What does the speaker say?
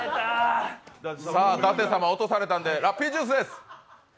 舘様落とされたのでラッピージュースです。